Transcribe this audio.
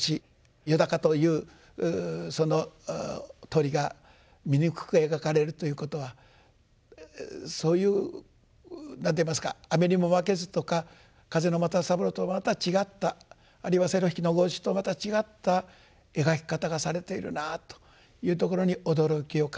「よだか」というその鳥が醜く描かれるということはそういう何ていいますか「雨ニモマケズ」とか「風の又三郎」とまた違ったあるいは「セロ弾きのゴーシュ」とまた違った描き方がされているなというところに驚きを感じ。